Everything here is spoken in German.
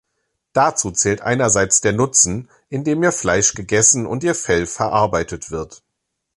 Dazu zählt einerseits der Nutzen, indem ihr Fleisch gegessen und ihr Fell verarbeitet wird.